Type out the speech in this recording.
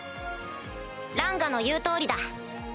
ランガの言う通りだ。